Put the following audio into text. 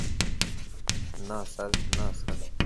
না, স্যার - না, স্যার।